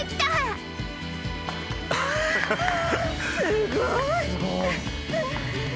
すごい。